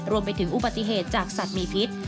รวมไปถึงอุบัติเหตุจากสัตว์มีพิษ